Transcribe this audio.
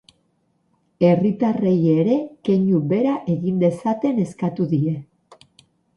Herritarrei ere keinu bera egin dezaten eskatu die.